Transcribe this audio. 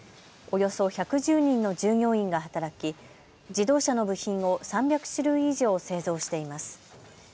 およそ１１０人の従業員が働き自動車の部品を３００種類以上製造しています。